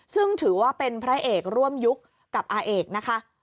ซึ่งถือว่าเป็นพระเอกร่วมยุคกับอาเอกนะคะ